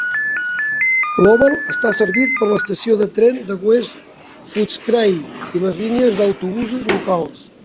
L'oval està servit per l'estació de tren de West Footscray i les línies d'autobusos locals.